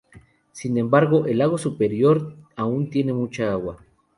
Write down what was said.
Sin embargo, el Lago Superior aún tiene mucha agua.